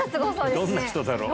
どんな人だろう？